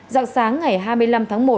giặc sáng ngày hai mươi năm tháng một